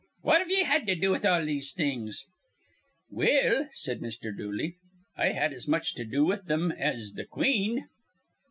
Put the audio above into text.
What have ye had to do with all these things?" "Well," said Mr. Dooley, "I had as much to do with thim as th' queen."